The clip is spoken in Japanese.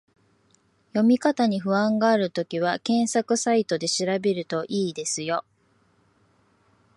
読み方に不安があるときは、検索サイトで調べると良いですよ